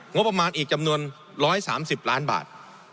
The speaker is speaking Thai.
งบประมาณอีกจำนวน๑๓๐ล้านบาท